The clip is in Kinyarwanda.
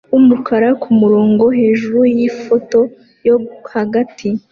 wumukara kumurongo hejuru yifoto yo hagati